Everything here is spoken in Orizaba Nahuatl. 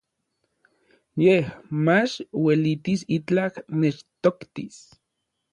Yej mach uelitis itlaj nechtoktis.